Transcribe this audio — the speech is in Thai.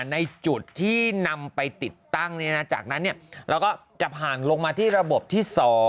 ในจุดที่นำไปติดตั้งจากนั้นเราก็จะผ่านลงมาที่ระบบที่๒